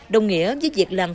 đồng nghĩa với việc làm